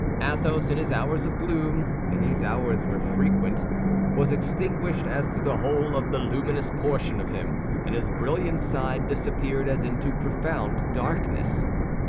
Athos, in his hours of gloom—and these hours were frequent—was extinguished as to the whole of the luminous portion of him, and his brilliant side disappeared as into profound darkness.